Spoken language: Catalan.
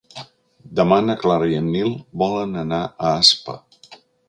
Demà na Clara i en Nil volen anar a Aspa.